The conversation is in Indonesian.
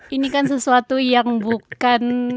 ini kan sesuatu yang bukan